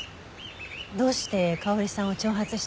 どうして香織さんを挑発したんですか？